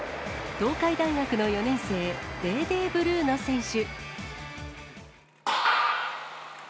東海大学の４年生、デーデー・ブルーノ選手。